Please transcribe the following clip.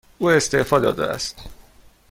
او استعفا داده است.